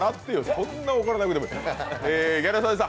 そんなに怒らなくても。